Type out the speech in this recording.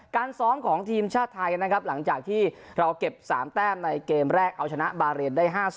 การซ้อมของทีมชาติไทยนะครับหลังจากที่เราเก็บ๓แต้มในเกมแรกเอาชนะบาเรนได้๕๐